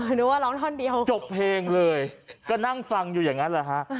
นึกว่าร้องท่อนเดียวจบเพลงเลยก็นั่งฟังอยู่อย่างนั้นแหละฮะ